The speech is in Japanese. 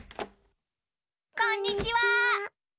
こんにちは！